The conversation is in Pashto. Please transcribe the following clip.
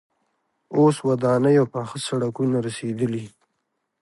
اوس ودانۍ او پاخه سړکونه رسیدلي.